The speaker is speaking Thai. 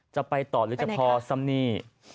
จะไปต่อหรือจะพอซ้ำนี่